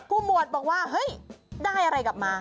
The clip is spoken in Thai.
หมวดบอกว่าเฮ้ยได้อะไรกลับมา